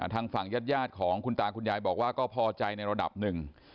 ทางฝั่งญาติของคุณตาคุณยายบอกว่าก็พอใจในระดับหนึ่ง